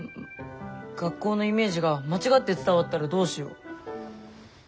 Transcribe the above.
学校のイメージが間違って伝わったらどうしよう。